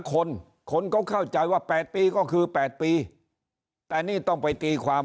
คนคนเขาเข้าใจว่า๘ปีก็คือ๘ปีแต่นี่ต้องไปตีความ